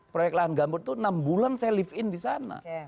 proyek lahan gambut itu enam bulan saya live in di sana